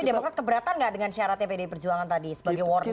tapi demokrat keberatan nggak dengan syaratnya pdi perjuangan tadi sebagai warning